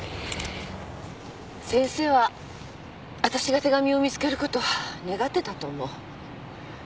先生は私が手紙を見つけること願ってたと思う。